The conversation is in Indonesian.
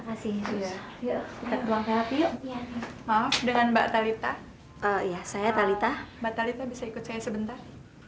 makasih ya ya kita buang terapi yuk maaf dengan mbak talitha oh ya saya talitha mbak talitha bisa ikut saya sebentar